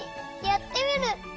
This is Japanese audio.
やってみる！